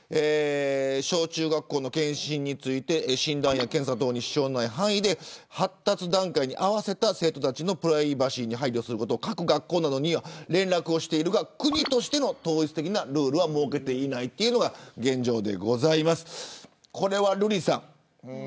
小中学校の健診について診断や検査等に支障がない範囲で発達段階に合わせた生徒たちのプライバシーに配慮することを各学校などには連絡しているが国としての統一的なルールは設けていないのが現状です。